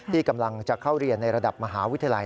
ที่กำลังจะเข้าเรียนในระดับมหาวิทยาลัย